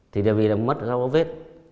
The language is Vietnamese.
thì là vì mất dấu vết